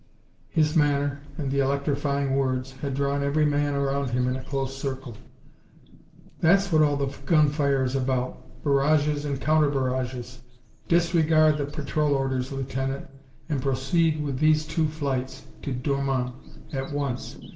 His manner, and the electrifying words, had drawn every man around him in a close circle. "That's what all the gun fire is about barrages and counter barrages. Disregard the patrol orders, Lieutenant, and proceed with these two flights to Dormans at once!